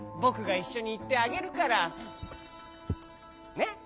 ねっ？